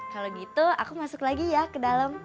kalau gitu aku masuk lagi ya ke dalam